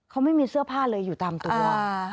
เขาไม่มีเสื้อผ้าเลยอยู่ตามตัว